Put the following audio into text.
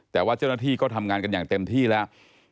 แต่ว่าเจ้าหน้าที่ก็ทำงานกันอย่างเต็มที่แล้ว